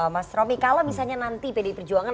mas romi kalau misalnya nanti bd perjuangan